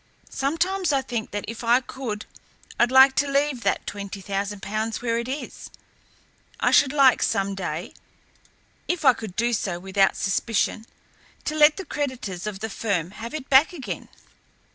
Sometimes I think that if I could I'd like to leave that twenty thousand pounds where it is. I should like some day, if I could do so without suspicion, to let the creditors of the firm have it back again.